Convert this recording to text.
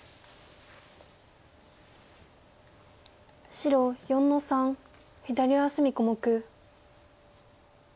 白４の三左上隅小目。